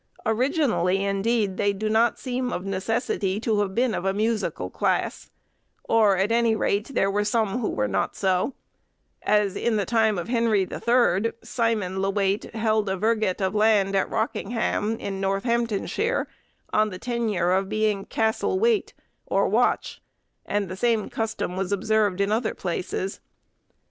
Originally, indeed, they do not seem of necessity to have been of a musical class; or, at any rate, there were some who were not so; as, in the time of Henry the Third, Simon le Wayte held a virgate of land at Rockingham, in Northamptonshire, on the tenure of being castle wayte, or watch, and the same custom was observed in other places.